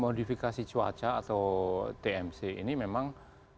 modifikasi cuaca atau tmc ini memang